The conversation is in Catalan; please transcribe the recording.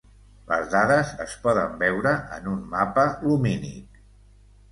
Les dades es poden veure en un mapa lumínic.